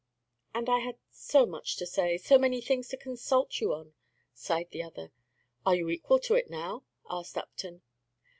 "And I had so much to say, so many things to consult you on," sighed the other. "Are you equal to it now?" asked Upton.